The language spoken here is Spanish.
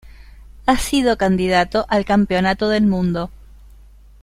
Ha sido candidato al Campeonato del Mundo.